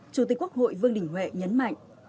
chủ tịch quốc hội vương đình huệ nhấn mạnh